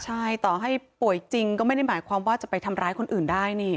ใช่ต่อให้ป่วยจริงก็ไม่ได้หมายความว่าจะไปทำร้ายคนอื่นได้นี่